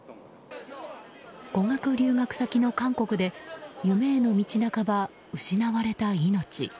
語学留学先の韓国で夢への道半ば、失われた命。